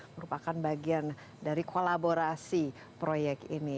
merupakan bagian dari kolaborasi proyek ini